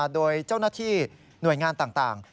โดยเจ้าหน้าที่หน่วยงานต่าง